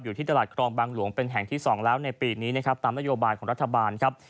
ที่ตลาดครองบางหลวงเป็นแห่งที่๒แล้วในปีนี้นะครับตามนโยบายของรัฐบาลครับ